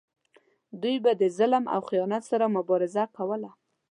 دوی به د ظلم او خیانت سره مبارزه کوله.